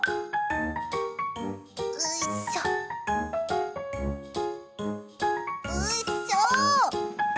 うんしょ、うんしょ。